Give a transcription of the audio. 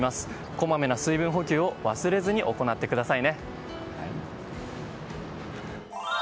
こまめな水分補給を忘れずに行ってくださいね。